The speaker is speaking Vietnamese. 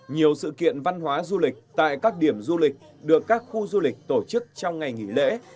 nhiều sự kiện văn hóa du lịch tại các điểm du lịch được các khu du lịch tổ chức trong ngày nghỉ lễ